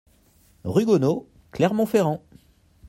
Rue Gonod, Clermont-Ferrand